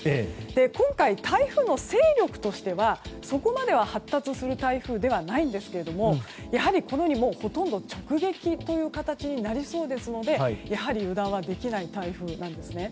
今回、台風の勢力としてはそこまで発達する台風ではないんですがほとんど直撃という形になりそうですのでやはり油断はできない台風です。